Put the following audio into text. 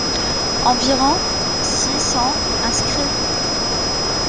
Environ s y sont inscrits.